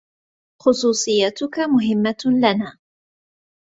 خصوصيتك مهمة لنا.